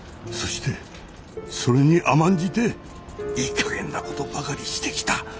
そしてそれに甘んじていいかげんなことばかりしてきた。